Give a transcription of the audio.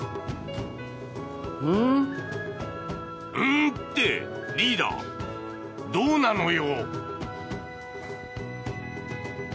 ん？ってリーダーどうなのよ？